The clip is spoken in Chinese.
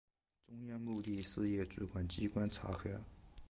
中央目的事业主管机关查核